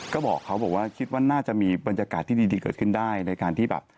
ก็บอกเขาบอกว่าคิดว่าน่าจะมีบรรยากาศที่ดีเกิดขึ้นได้ในการที่แบบ